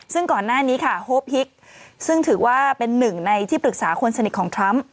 ซึ่งถือว่าเป็นหนึ่งในที่ปรึกษาคนสนิทของทรัมป์